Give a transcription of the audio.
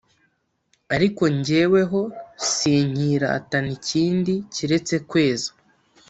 ariko jyeweho sinkiratana ikindi keretse kweza